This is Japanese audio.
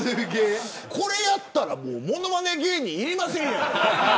これやったら物まね芸人いりませんやん。